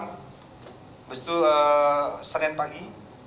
setelah itu senen pagi